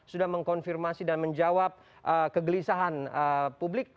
sudah mengkonfirmasi dan menjawab kegelisahan publik